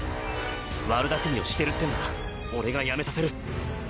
悪巧みをしてるってんなら俺がやめさせる。